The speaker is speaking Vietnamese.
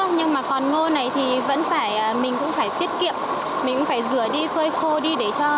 nhưng mà còn ngô này thì mình cũng phải tiết kiệm mình cũng phải rửa đi phơi khô đi